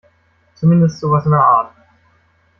Zumindest sowas in der Art.